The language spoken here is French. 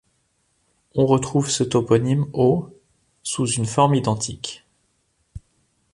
On retrouve ce toponyme au sous une forme identique.